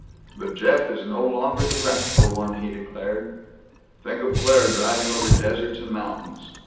"But Jeff is no longer the practical one," he declared. "Think of Claire driving over deserts and mountains.